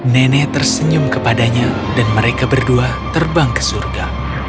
nenek tersenyum kepadanya dan mereka berdua terbang ke surga